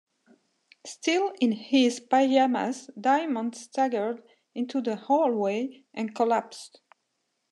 Still in his pajamas, Diamond staggered into the hallway and collapsed.